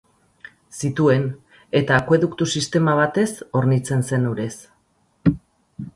Zituen, eta akueduktu sistema batez hornitzen zen urez.